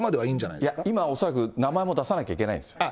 いや、今は恐らく名前出さなきゃいけないんです。